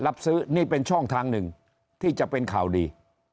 รับซื้อนี่เป็นช่องทางหนึ่งที่จะเป็นข่าวดี